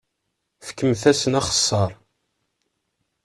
Fkemt-asen axeṣṣar.